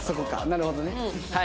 なるほどね。